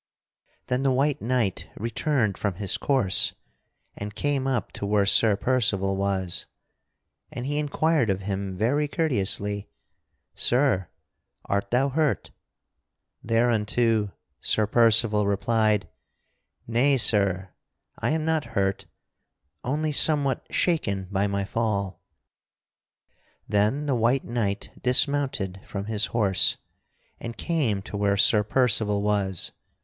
Then the white knight returned from his course and came up to where Sir Percival was. And he inquired of him very courteously: "Sir, art thou hurt?" Thereunto Sir Percival replied: "Nay, sir! I am not hurt, only somewhat shaken by my fall.'" Then the white knight dismounted from his horse and came to where Sir Percival was.